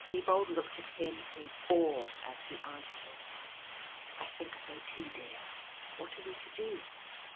Sibold looked at him in awe as he answered :" I think so, too, dear. What are we to do